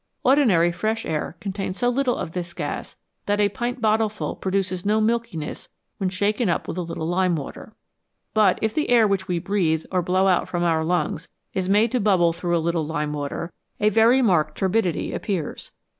Ordinary fresh air contains so little of this gas that a pint bottle full produces no milkiness when shaken up with a little lime water. But if the air which we breathe or blow out from our lungs is made to bubble through a little lime water, a very marked turbidity appears.